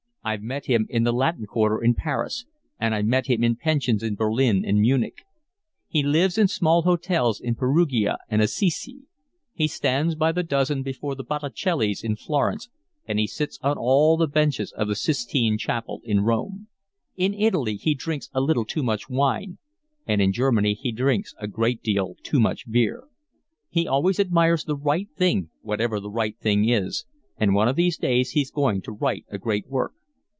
"I've met him in the Latin Quarter in Paris, and I've met him in pensions in Berlin and Munich. He lives in small hotels in Perugia and Assisi. He stands by the dozen before the Botticellis in Florence, and he sits on all the benches of the Sistine Chapel in Rome. In Italy he drinks a little too much wine, and in Germany he drinks a great deal too much beer. He always admires the right thing whatever the right thing is, and one of these days he's going to write a great work.